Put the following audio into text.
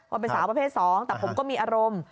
ว่าเป็นสาวประเภท๒แต่ผมก็มีอารมณ์